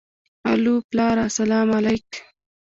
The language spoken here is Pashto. الو پلاره سلام عليک.